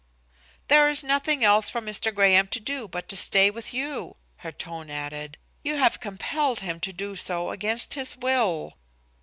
"There is nothing else for Mr. Graham to do but to stay with you." Her tone added, "You have compelled him to do so against his will."